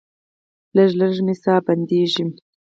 لږه لږه مې ساه بندیږي.